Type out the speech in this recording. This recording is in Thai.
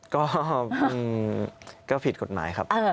ก็ผิดกฎหมายครับ